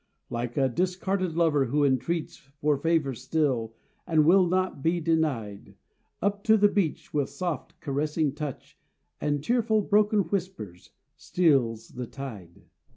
Like a discarded lover who entreats For favor still, and will not be denied, Up to the beach, with soft, caressing touch And tearful broken whispers, steals the tide.